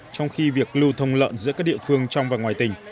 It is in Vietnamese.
trong khi việc lưu thông lợn giữa các địa phương trong và ngoài tỉnh